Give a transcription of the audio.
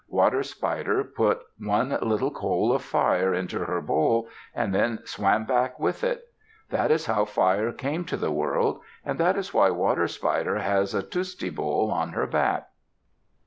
Water Spider put one little coal of fire into her bowl, and then swam back with it. That is how fire came to the world. And that is why Water Spider has a tusti bowl on her back.